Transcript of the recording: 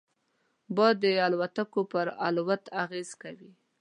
باد د الوتکو پر الوت اغېز کوي